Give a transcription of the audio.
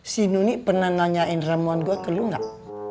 si nunik pernah nanyain ramuan gua ke lu gak